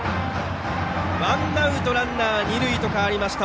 ワンアウトランナー、二塁と変わりました。